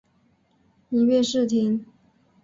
音乐试听